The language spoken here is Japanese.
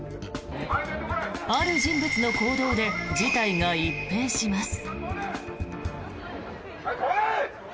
ある人物の行動で事態が一変します。